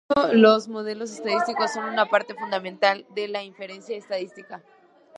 De hecho, los modelos estadísticos son una parte fundamentalmente de la inferencia estadística.